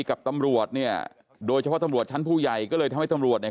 กับตำรวจเนี่ยโดยเฉพาะตำรวจชั้นผู้ใหญ่ก็เลยทำให้ตำรวจเนี่ย